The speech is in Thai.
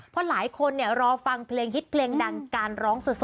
เพราะหลายคนรอฟังเพลงฮิตเพลงดังการร้องสุด